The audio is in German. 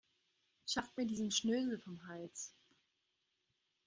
Schafft mir diesen Schnösel vom Hals.